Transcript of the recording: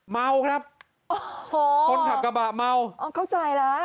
เมาครับโอ้โหคนขับกระบะเมาอ๋อเข้าใจแล้ว